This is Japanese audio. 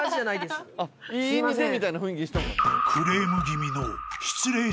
すいません。